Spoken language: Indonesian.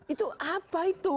itu apa itu